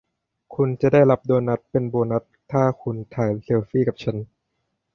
คุณจะได้รับโดนัทเป็นโบนัสถ้าคุณถ่ายเซลฟี่กับฉัน